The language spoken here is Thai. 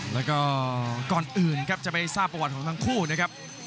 แล้วก็ก่อนอื่นครับจะไปทราบประวัติของทั้งคู่นะครับ